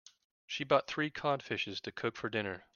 She bought three cod fishes to cook for dinner.